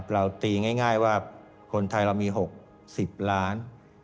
เราตีง่ายว่าคนไทยเรามี๖๐ล้าน